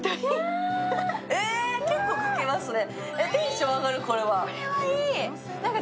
結構かけますね。